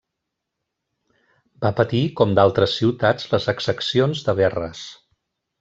Va patir com d'altres ciutats les exaccions de Verres.